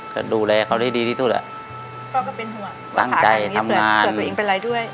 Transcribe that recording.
ก็ดูแลเขาดีดีที่สุดอ่ะพ่อก็เป็นห่วงตั้งใจทำงานเกือบตัวเองเป็นอะไรด้วย